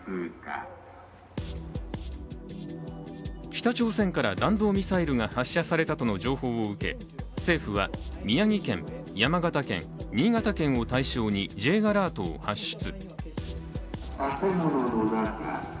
北朝鮮から弾道ミサイルが発射されたとの情報を受け政府は、宮城県、山形県、新潟県を対象にＪアラートを発出。